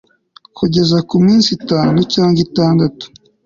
kugeza ku minsi itanu cyangwa itandatu